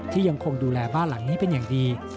ยังคงดูแลบ้านหลังนี้เป็นอย่างดี